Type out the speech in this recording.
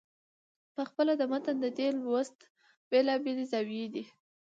پخپله د متن د دې لوست بېلابېلې زاويې دي.